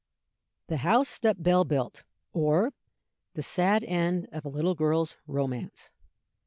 THE HOUSE THAT BELL BUILT; Or, the Sad End of a little Girl's Romance.